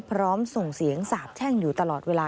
พร้อมส่งเสียงสาบแช่งอยู่ตลอดเวลา